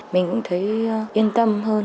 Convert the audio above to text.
mình cũng thấy yên tâm hơn